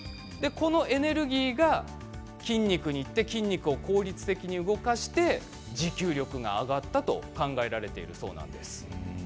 このエネルギーが筋肉にいって筋肉を効率的に動かして持久力が上がったと考えられるそうなんです。